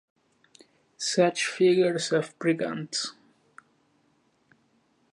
Such figures of brigands!